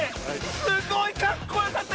すごいかっこよかった！